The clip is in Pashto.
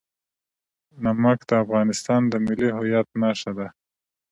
نمک د افغانستان د ملي هویت نښه ده.